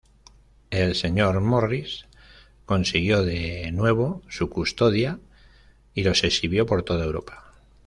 El señor Morris consiguió de nuevo su custodia y los exhibió por toda Europa.